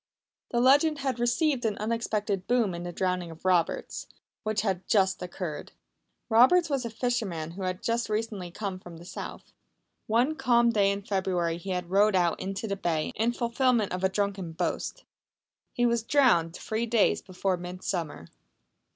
The legend had received an unexpected boom in the drowning of Roberts, which had just occurred. Roberts was a fisherman who had recently come from the South. One calm day in February he had rowed out into the bay in fulfilment of a drunken boast. He was drowned three days before Midsummer.